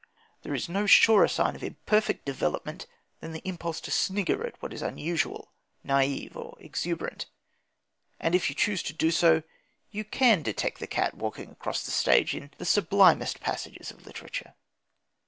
There is no surer sign of imperfect development than the impulse to snigger at what is unusual, naïve, or exuberant. And if you choose to do so, you can detect the cat walking across the stage in the sublimest passages of literature.